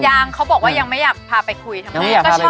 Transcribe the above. ยังเขาบอกว่ายังไม่อยากพาไปคุยทำไมยังไม่อยากพาไปคุย